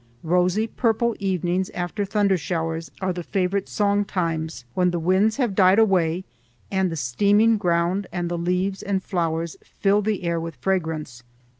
Rosy purple evenings after thundershowers are the favorite song times, when the winds have died away and the steaming ground and the leaves and flowers fill the air with fragrance.